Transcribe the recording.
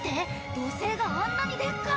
土星があんなにでっかい！